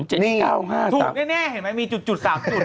ถูกแน่เห็นไหมมีจุด๓จุด